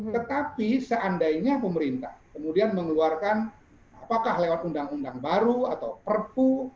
tetapi seandainya pemerintah kemudian mengeluarkan apakah lewat undang undang baru atau perpu